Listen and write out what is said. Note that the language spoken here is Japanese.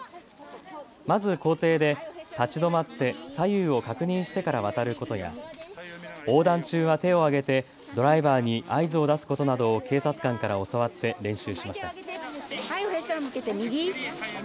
まず校庭で立ち止まって左右を確認してから渡ることや横断中は手を上げてドライバーに合図を出すことなどを警察官から教わって練習しました。